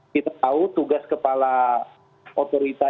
kita tahu tugas kepala otorita